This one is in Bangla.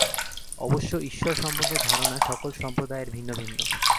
অবশ্য ঈশ্বর সম্বন্ধে ধারণা সকল সম্প্রদায়ের ভিন্ন ভিন্ন।